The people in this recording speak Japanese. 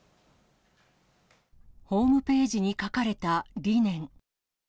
ホームページに書かれた理念。